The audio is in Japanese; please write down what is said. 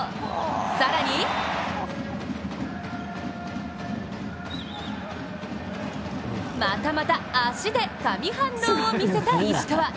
更に、またまた足で神反応を見せた石川。